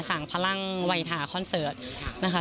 พลังวัยถาคอนเสิร์ตนะคะ